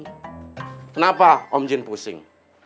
kenapa om jun pusing